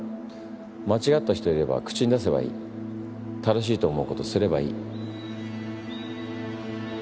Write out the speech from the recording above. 間違った人いれば口に出せ正しいと思うことすればいい。